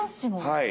はい。